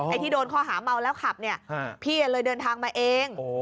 ที่โดนข้อหาเมาแล้วขับเนี่ยพี่เลยเดินทางมาเอง